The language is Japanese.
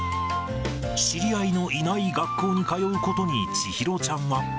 知り合いのいない学校に通うことに、千尋ちゃんは。